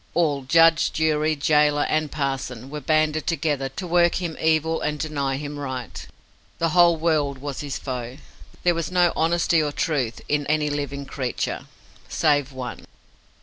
All judge, jury, gaoler, and parson were banded together to work him evil and deny him right. The whole world was his foe: there was no honesty or truth in any living creature save one.